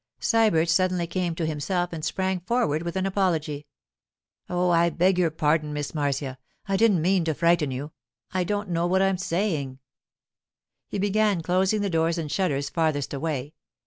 Sybert suddenly came to himself and sprang forward with an apology. 'Oh, I beg your pardon, Miss Marcia; I didn't mean to frighten you. I don't know what I'm saying.' He began closing the doors and shutters farthest away.